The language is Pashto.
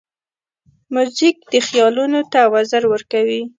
موزیک خیالونو ته وزر ورکوي.